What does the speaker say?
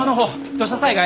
土砂災害。